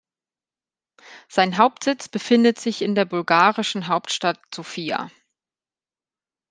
Sein Hauptsitz befindet sich in der bulgarischen Hauptstadt Sofia.